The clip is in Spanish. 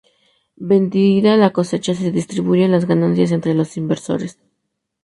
Vendida la cosecha, se distribuyen las ganancias entre los inversores.